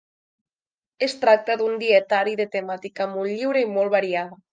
Es tracta d’un dietari de temàtica molt lliure i molt variada.